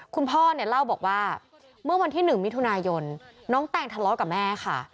คุณพ่อเนี่ยเล่าบอกว่าเมื่อวันที่๑มิถุนายนน้องแตงทะเลาะกับแม่ค่ะ